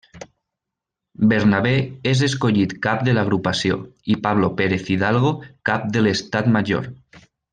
Bernabé és escollit cap de l'Agrupació i Pablo Pérez Hidalgo cap de l'Estat Major.